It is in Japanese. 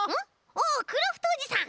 おおクラフトおじさん。